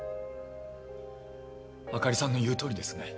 朱莉さんの言うとおりですね。